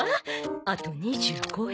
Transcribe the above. あと２５円。